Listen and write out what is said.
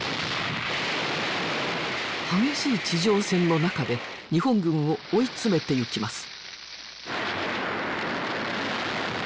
激しい地上戦の中で日本軍を追い詰めていきます。